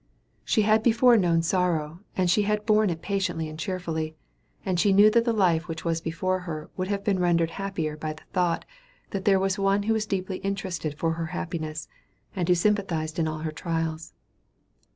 She had before known sorrow, and she had borne it patiently and cheerfully; and she knew that the life which was before her would have been rendered happier by the thought, that there was one who was deeply interested for her happiness, and who sympathized in all her trials.